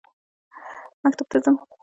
مکتب ته ځم.